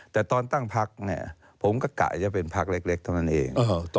แต่ตอนตั้งภักดิ์ผมก็กะจะเป็นภักดิ์เล็กเท่านั้นเอง